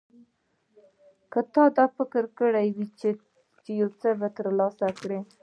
که تا فکر کړی وي چې یو څه ترلاسه کړې.